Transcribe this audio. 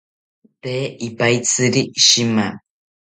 Tee ipaitziri shima